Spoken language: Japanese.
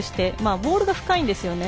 ボールが深いんですよね。